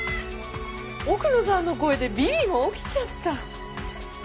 奥野さんの声でビビも起きちゃった。